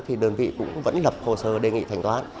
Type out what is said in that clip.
thì đơn vị cũng vẫn lập hồ sơ đề nghị thanh toán